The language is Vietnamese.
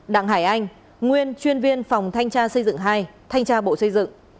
đặng hải anh nguyên chuyên viên phòng thanh tra xây dựng hai thanh tra bộ xây dựng